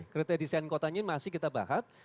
kriteria desain kotanya ini masih kita bahas